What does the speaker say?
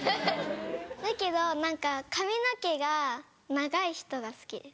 だけど何か髪の毛が長い人が好きです。